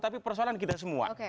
tapi persoalan kita semua